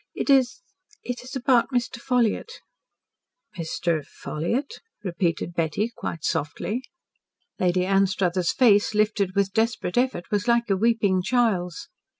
It is it is about Mr. Ffolliott." "Mr. Ffolliott?" repeated Betty quite softly. Lady Anstruthers' face, lifted with desperate effort, was like a weeping child's.